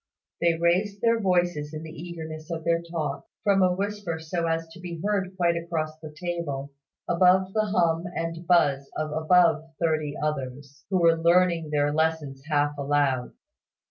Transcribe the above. They raised their voices in the eagerness of their talk, from a whisper so as to be heard quite across the table, above the hum and buzz of above thirty others, who were learning their lessons half aloud.